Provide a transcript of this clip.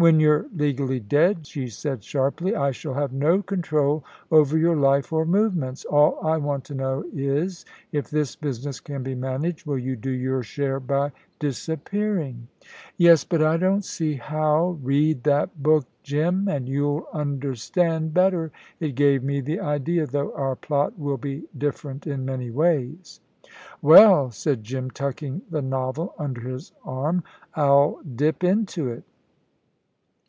"When you're legally dead," she said sharply, "I shall have no control over your life or movements. All I want to know is, if this business can be managed, will you do your share by disappearing?" "Yes; but I don't see how " "Read that book, Jim, and you'll understand better. It gave me the idea, though our plot will be different in many ways." "Well," said Jim, tucking the novel under his arm, "I'll dip into it."